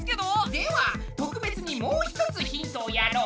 では特別にもう一つヒントをやろう。